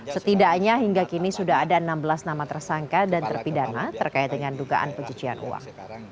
setidaknya hingga kini sudah ada enam belas nama tersangka dan terpidana terkait dengan dugaan pencucian uang